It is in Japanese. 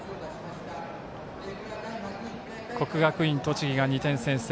国学院栃木が２点先制。